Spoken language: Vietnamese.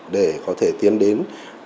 để có thể tiến đến